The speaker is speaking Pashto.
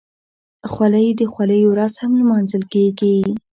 خولۍ د خولۍ ورځ هم لمانځل کېږي.